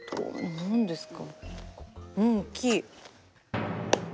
何ですか？